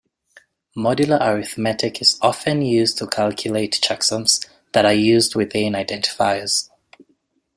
Modular arithmetic is often used to calculate checksums that are used within identifiers.